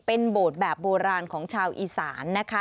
เป็นโบสถ์แบบโบราณของชาวอีสานนะคะ